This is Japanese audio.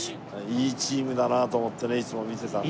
いいチームだなと思ってねいつも見てたんです。